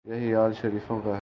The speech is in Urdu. یہی حال شریفوں کا ہے۔